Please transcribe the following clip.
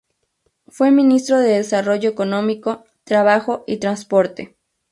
Fue ministro de Desarrollo Económico, Trabajo y Transporte.